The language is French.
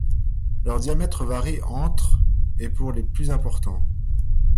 Leur diamètre varie entre et pour les plus importants.